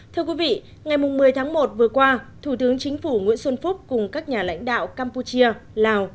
thưa quý vị ngày một mươi tháng một vừa qua thủ tướng chính phủ nguyễn xuân phúc cùng các nhà lãnh đạo campuchia lào